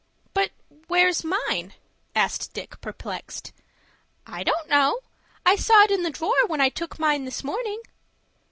"But where's mine?" asked Dick, perplexed. "I don't know. I saw it in the drawer when I took mine this morning."